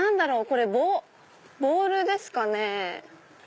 これボールですかね？